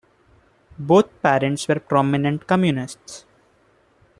Both parents were prominent communists.